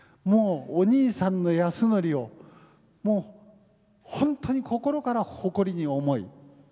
もうお兄さんの安典をもう本当に心から誇りに思い。